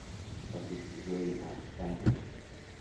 But if you really want to thank me.